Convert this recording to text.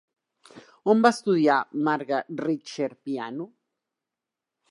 On va estudiar Marga Richter piano?